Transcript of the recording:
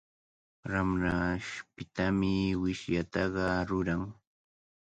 Ramrashpitami wishllataqa ruran.